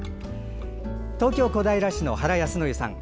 東京・小平市の原保則さん。